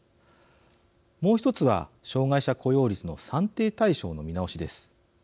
もう１つは障害者雇用率の算定対象の見直しです。